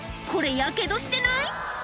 これやけどしてない？